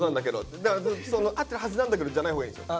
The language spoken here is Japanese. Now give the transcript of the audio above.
「合ってるはずなんだけど」じゃないほうがいいんでしょ？